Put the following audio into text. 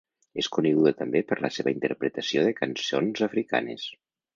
És coneguda també per la seva interpretació de cançons africanes.